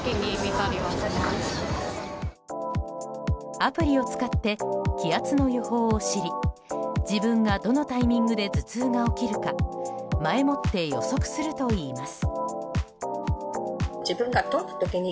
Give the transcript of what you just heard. アプリを使って気圧の予報を知り自分がどのタイミングで頭痛が起きるか前もって予測するといいます。